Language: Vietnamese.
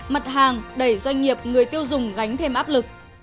mặt hàng đẩy doanh nghiệp người tiêu dùng gánh thêm áp lực